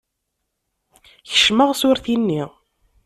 Keccmeɣ s urti-nni.